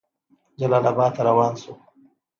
جلال آباد ته روان شو.